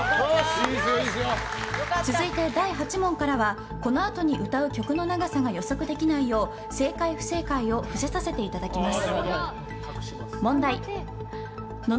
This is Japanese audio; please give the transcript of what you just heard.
続いて、第８問からはこのあとに歌う歌の長さが予測できないよう正解、不正解を伏せさせていただきます。